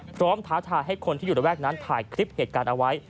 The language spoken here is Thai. ท้าทายให้คนที่อยู่ระแวกนั้นถ่ายคลิปเหตุการณ์เอาไว้